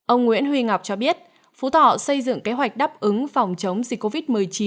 ông nguyễn huy ngọc cho biết phú thọ xây dựng kế hoạch đáp ứng phòng chống dịch covid một mươi chín